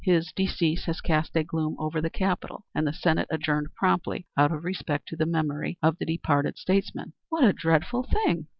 His decease has cast a gloom over the Capital, and the Senate adjourned promptly out of respect to the memory of the departed statesman.'" "What a dreadful thing!"